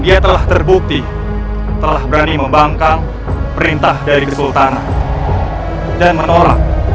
dia telah terbukti telah berani membangkang perintah dari kesultanan dan menolak